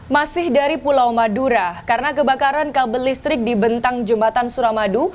masih dari pulau madura karena kebakaran kabel listrik di bentang jembatan suramadu